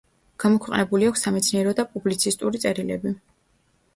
გამოქვეყნებული აქვს სამეცნიერო და პუბლიცისტური წერილები.